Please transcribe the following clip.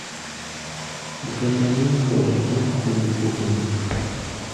Gata-náŋ kɔra dúk kɔŋkɔtɔŋ.